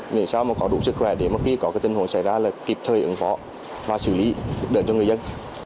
mình sao mà có đủ sức khỏe để mỗi khi có cái tình huống xảy ra là kịp thời ứng phó và xử lý đợi cho người dân